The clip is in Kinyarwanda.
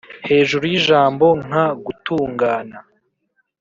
hejuru y'ijambo nka "gutungana,"